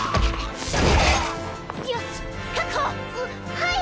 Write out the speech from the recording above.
はい！